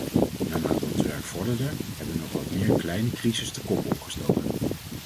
Naarmate ons werk vorderde, hebben nog wat meer kleine crises de kop opgestoken.